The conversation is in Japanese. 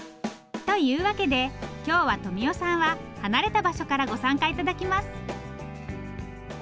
というわけで今日は富夫さんは離れた場所からご参加頂きます。